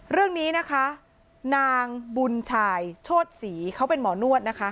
เรื่องนี้นะคะนางบุญชายโชธศรีเขาเป็นหมอนวดนะคะ